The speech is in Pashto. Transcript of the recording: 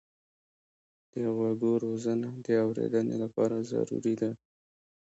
د غوږو روزنه د اورېدنې لپاره ضروري ده.